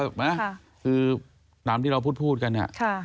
คือตามที่เราพูดพูดกัน